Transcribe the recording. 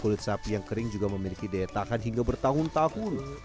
kulit sapi yang kering juga memiliki daya tahan hingga bertahun tahun